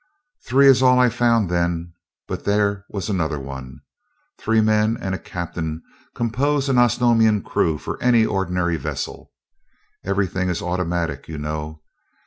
"Three is all I found then, but there was another one. Three men and a captain compose an Osnomian crew for any ordinary vessel. Everything is automatic, you, know.